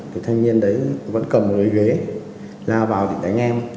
thì thanh niên đấy vẫn cầm một đôi ghế lao vào thì đánh em